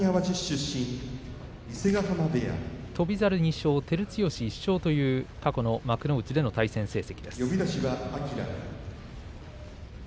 翔猿２勝、照強１勝という過去の幕内での対戦成績です。